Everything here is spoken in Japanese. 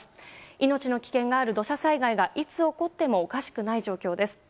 命の危険がある土砂災害がいつ起こってもおかしくない状況です。